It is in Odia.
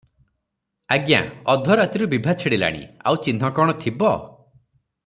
"ଆଜ୍ଞା! ଅଧ ରାତିରୁ ବିଭା ଛିଡ଼ିଲାଣି, ଆଉ ଚିହ୍ନ କଣ ଥିବ?